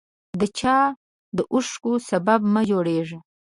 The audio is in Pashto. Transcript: د چا د اوښکو سبب مه جوړیږه